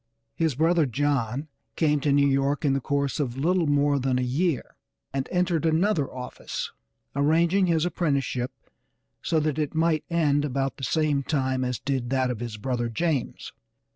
His brother John came to New York in the course of a little more than a year and entered another office, arranging his apprenticeship so that it might end about the same time as did that of his brother James.